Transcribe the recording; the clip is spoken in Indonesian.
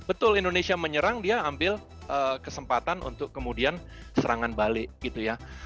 betul indonesia menyerang dia ambil kesempatan untuk kemudian serangan balik gitu ya